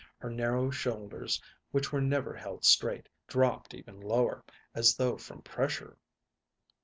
Her narrow shoulders, which were never held straight, dropped even lower, as though from pressure.